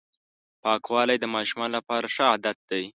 پاکوالی د ماشومانو لپاره ښه عادت دی.